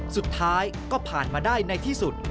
สุดท้ายก็ผ่านมาได้ในที่สุด